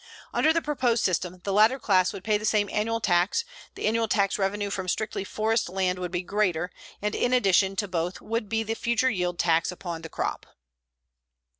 Under the proposed system, the latter class would pay the same annual tax, the annual tax revenue from strictly forest land would be greater, and in addition to both would be the future yield tax upon the crop.